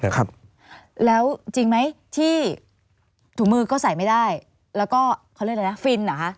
ครับแล้วจริงไหมที่ถุงมือก็ใส่ไม่ได้แล้วก็เขาเรียกอะไรนะฟินเหรอคะ